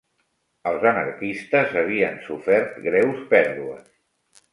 Els anarquistes havien sofert greus pèrdues